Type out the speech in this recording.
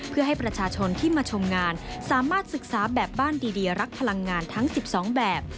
เพื่อให้ประชาชนที่มาชมงานสามารถศึกษาแบบบ้านดีรักพลังงานทั้ง๑๒แบบ